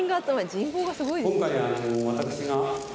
人望がすごいですね。